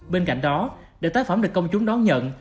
bên cạnh đó để tác phẩm được công chúng đón nhận